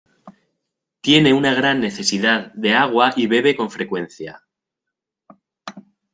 Tiene una gran necesidad de agua y bebe con frecuencia.